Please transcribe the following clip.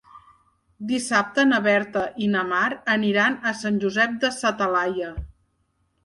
Dissabte na Berta i na Mar aniran a Sant Josep de sa Talaia.